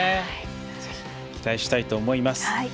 ぜひ期待したいと思います。